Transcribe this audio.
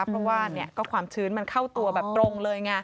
เพราะว่าความชื้นมันเข้าตัวแบบตรงเลยไง